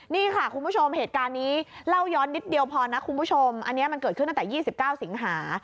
นี่ค่ะคุณผู้ชมเหตุการณ์นี้เล่าย้อนนิดเดียวพอนะคุณผู้ชมอันนี้มันเกิดขึ้นตั้งแต่๒๙สิงหา